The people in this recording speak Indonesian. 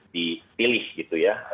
dipilih gitu ya